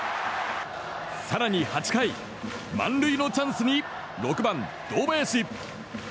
更に８回、満塁のチャンスに６番、堂林。